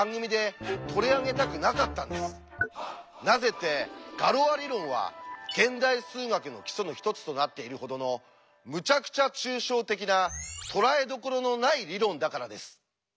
なぜって「ガロア理論」は現代数学の基礎の一つとなっているほどのむちゃくちゃ抽象的な捉えどころのない理論だからです。